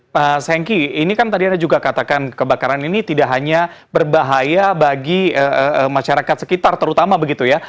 pak sengki ini kan tadi anda juga katakan kebakaran ini tidak hanya berbahaya bagi masyarakat sekitar terutama begitu ya